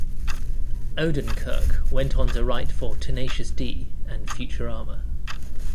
Odenkirk went on to write for "Tenacious D" and "Futurama".